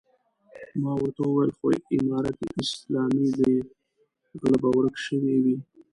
ما ورته وويل خو امارت اسلامي دی غله به ورک شوي وي.